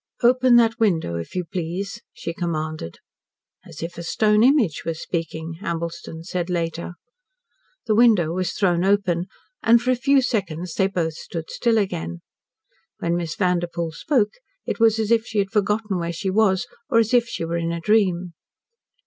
"Open that window, if you please," she commanded "as if a stone image was speaking" Ambleston said later. The window was thrown open, and for a few seconds they both stood still again. When Miss Vanderpoel spoke, it was as if she had forgotten where she was, or as if she were in a dream.